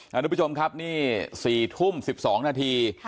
ทุกผู้ชมครับนี่๔ทุ่ม๑๒นาที